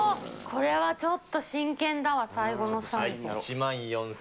これはちょっと真剣だわ、最後の最後。